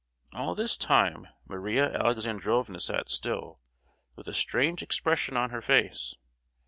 All this time Maria Alexandrovna sat still, with a strange expression on her face.